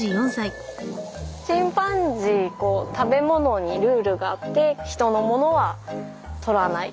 チンパンジー食べ物にルールがあって人のものはとらない。